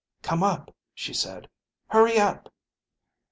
"Come up," she said. "Hurry up."